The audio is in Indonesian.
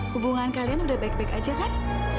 hubungan kalian udah baik baik aja kan